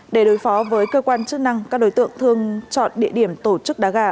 để đối phó với cơ quan chức năng các đối tượng thường chọn địa điểm tổ chức đá gà